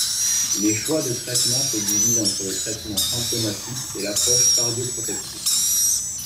Les choix de traitement se divisent entre le traitement symptomatique et l'approche cardioprotectrice.